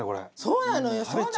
そうなのよ！